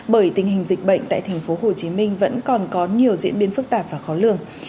bởi tình hình dịch bệnh tại tp hcm vẫn còn có nhiều diễn biến phức tạp và khó lường